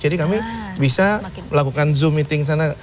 jadi kami bisa melakukan zoom meeting di sana